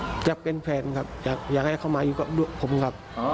ผมอยากเป็นแฟนครับอยากให้เขามาอยู่กับผมครับ